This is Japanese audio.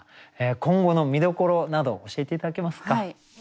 今後の見どころなど教えて頂けますか。